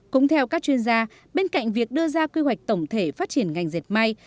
cũng theo các chuyên gia bên cạnh việc đưa ra quy hoạch tổng thể phát triển ngành dệt may